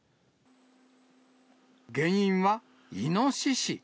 原因はイノシシ。